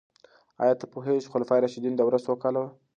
آیا ته پوهیږې چې د خلفای راشدینو دوره څو کاله وه؟